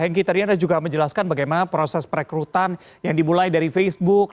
hengki tadi anda juga menjelaskan bagaimana proses perekrutan yang dimulai dari facebook